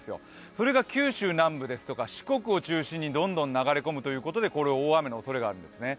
それが九州南部や四国を中心にどんどん流れ込むということで大雨のおそれがありますね。